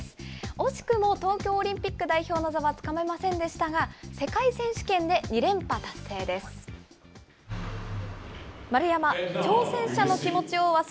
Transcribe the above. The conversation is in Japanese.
惜しくも東京オリンピック代表の座はつかめませんでしたが、世界選手権で２連覇達成です。